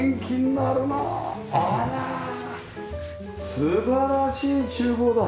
素晴らしい厨房だ。